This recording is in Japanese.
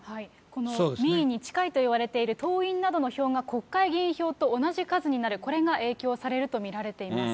民意に近いといわれている党員などの票が、国会議員票と同じ数になる、これが影響されると見られています。